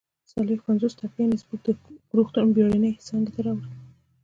څلويښت پنځوس ټپیان يې زموږ د روغتون بېړنۍ څانګې ته راوړل